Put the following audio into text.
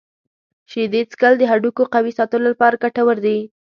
شیدې څښل د هډوکو قوي ساتلو لپاره ګټور دي.